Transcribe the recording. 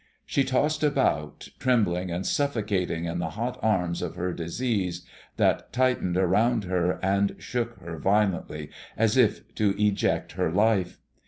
She tossed about, trembling and suffocating in the hot arms of her disease, that tightened around her and shook her violently as if to eject her life.